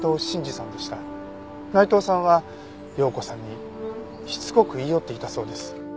内藤さんは葉子さんにしつこく言い寄っていたそうです。